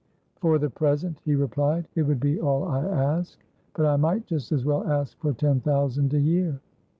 "For the present," he replied, "it would be all I ask. But I might just as well ask for ten thousand a year."